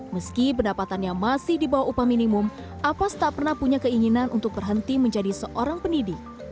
meski pendapatannya masih di bawah upah minimum apas tak pernah punya keinginan untuk berhenti menjadi seorang pendidik